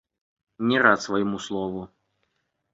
Не рад свайму слову.